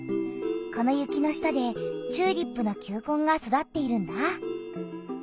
この雪の下でチューリップの球根が育っているんだ。